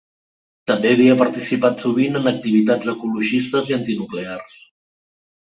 També havia participat sovint en activitats ecologistes i antinuclears.